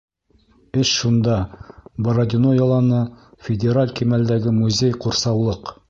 Эш шунда: Бородино яланы — федераль кимәлдәге музей-ҡурсаулыҡ.